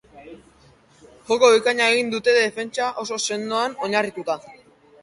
Joko bikaina egin dute, defentsa oso sendoan oinarrituta.